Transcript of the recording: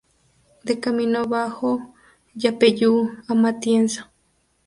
De Camino Bajo Yapeyú a Matienzo.